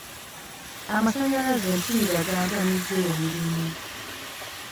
Amasannyalaze mpulira gantamizza emirimu.